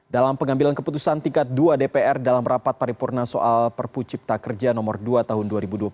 dalam pengambilan keputusan tingkat dua dpr dalam rapat paripurna soal perpu cipta kerja nomor dua tahun dua ribu dua puluh